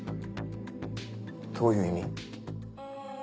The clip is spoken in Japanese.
どういう意味？